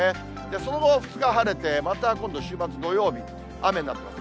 その後、２日晴れて、また今度、週末土曜日、雨になってます。